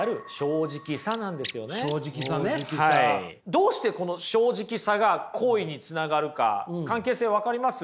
どうしてこの「正直さ」が好意につながるか関係性分かります？